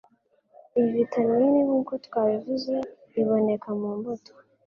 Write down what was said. iyi vitamini nkuko twabivuze iboneka mu mbuto